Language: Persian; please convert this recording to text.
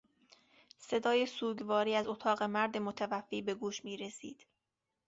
صدای سوگواری از اتاق مرد متوفی به گوش میرسید.